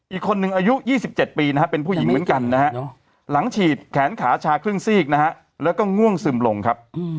อีกคนนึงอายุ๒๗ปีนะฮะเป็นผู้หญิงเหมือนกันนะฮะหลังฉีดแขนขาชาครึ่งซีกนะฮะแล้วก็ง่วงซึมลงครับ